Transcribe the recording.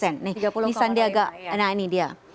ini sandiaga nah ini dia